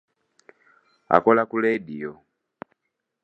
Akola ku leediyo.